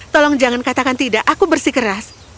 tolong jangan katakan tidak aku bersih keras